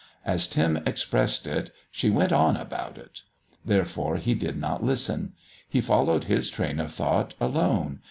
As Tim expressed it she "went on about it." Therefore he did not listen. He followed his train of thought alone.